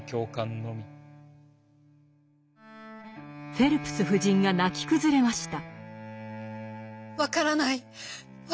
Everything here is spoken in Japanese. フェルプス夫人が泣き崩れました。